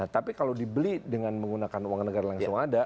tapi kalau dibeli dengan menggunakan uang negara langsung ada